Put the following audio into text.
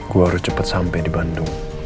gue harus cepet sampe di bandung